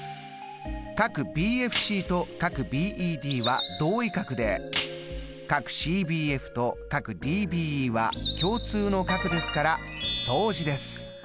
ＢＦＣとＢＥＤは同位角でＣＢＦとＤＢＥは共通の角ですから相似です。